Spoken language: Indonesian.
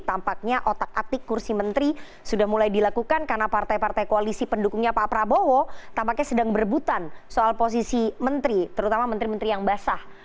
tampaknya otak atik kursi menteri sudah mulai dilakukan karena partai partai koalisi pendukungnya pak prabowo tampaknya sedang berebutan soal posisi menteri terutama menteri menteri yang basah